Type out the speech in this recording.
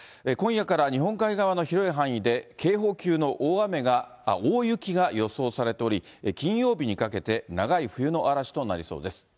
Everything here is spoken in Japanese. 今夜から日本海側の広い範囲で、警報級の大雪が予想されており、金曜日にかけて、長い冬の嵐となりそうです。